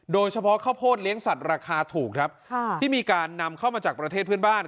โดยเฉพาะข้าวโพดเลี้ยงสัตว์ราคาถูกครับที่มีการนำเข้ามาจากประเทศเพื่อนบ้าน